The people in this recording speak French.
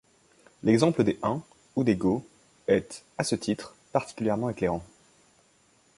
L'exemple des Huns ou des Goths est, à ce titre, particulièrement éclairant.